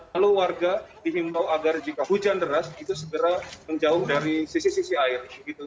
lalu warga dihimbau agar jika hujan deras itu segera menjauh dari sisi sisi air